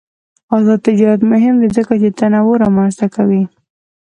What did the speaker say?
آزاد تجارت مهم دی ځکه چې تنوع رامنځته کوي.